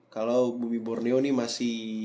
kalau bumi borneo ini masih